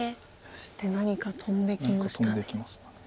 そして何か飛んできましたね。